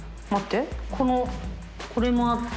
このこれもあって。